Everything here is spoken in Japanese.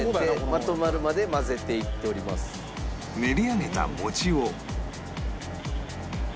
練り上げた餅を